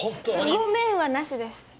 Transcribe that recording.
「ごめん」はなしです。